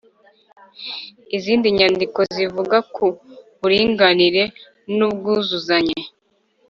izindi nyandiko zivuga ku buringanire n’ubwuzuzanye.